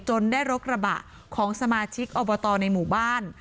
ได้รกระบะของสมาชิกอบตในหมู่บ้าน